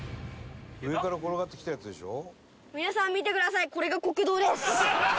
「上から転がってきたやつでしょ？」